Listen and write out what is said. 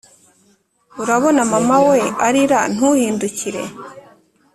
urabona mama we arira ntuhindukire